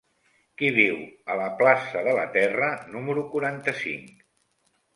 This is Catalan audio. Qui viu a la plaça de la Terra número quaranta-cinc?